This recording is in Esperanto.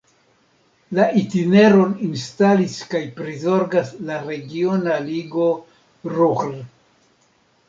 La itineron instalis kaj prizorgas la Regiona Ligo Ruhr.